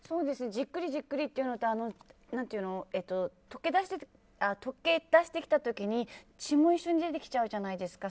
じっくりじっくりというのと解け出したときに血も一緒に出てきちゃうじゃないですか。